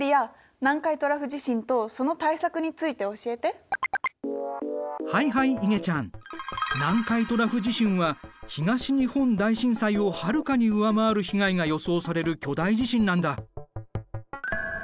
南海トラフ地震は東日本大震災をはるかに上回る被害が予想される巨大地震なんだ。